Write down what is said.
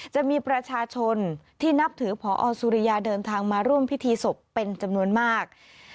จะมีประชาชนที่นับถือพอสุริยาเดินทางมาร่วมพิธีศพเป็นจำนวนมาก